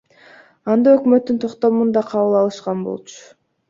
Анда өкмөттүн токтомун да кабыл алышкан болчу.